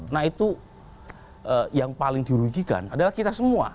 nah itu yang paling dirugikan adalah kita semua